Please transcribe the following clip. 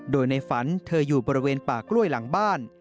โดยในฝันเธออยู่บริเวณป่ากล้วยหลังบ้าน